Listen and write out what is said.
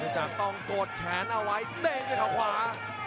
จากต้องกดแขนเอาไว้เด้งด้วยเขาขวา